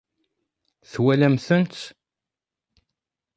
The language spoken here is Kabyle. Twalamt-tent?